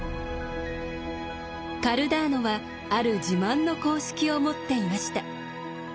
カルダーノはある自慢の公式を持っていました。